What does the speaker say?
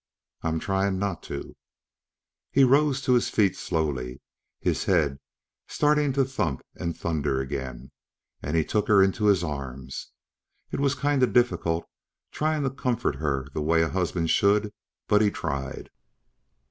"I'm trying not to." He rose to his feet slowly, his head starting to thump and thunder again, and took her into his arms. It was kind of difficult, trying to comfort her the way a husband should, but he tried.